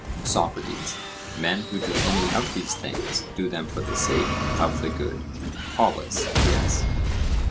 SOCRATES: Men who do any of these things do them for the sake of the good? POLUS: Yes.